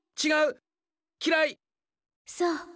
違う！